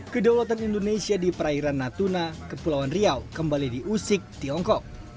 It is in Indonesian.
kedaulatan indonesia di perairan natuna kepulauan riau kembali diusik tiongkok